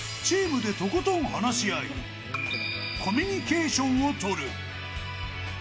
チームでとことん話し合い、コミュニケーションを取る。